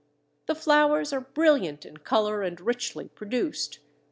The flowers are brilliant in colour and richly produced.